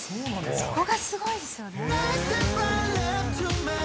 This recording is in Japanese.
そこがすごいですよね。